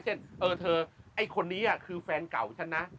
เช่นเสวเพราะฉันนะ